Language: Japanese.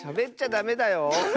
ダメだよ。